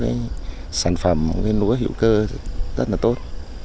cái sản phẩm cái lúa hữu cơ rất là tốt